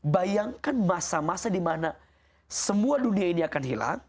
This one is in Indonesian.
bayangkan masa masa dimana semua dunia ini akan hilang